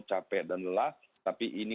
capek dan lelah tapi ini